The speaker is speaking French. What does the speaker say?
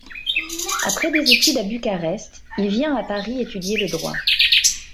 Après des études à Bucarest, il vient à Paris étudier le droit.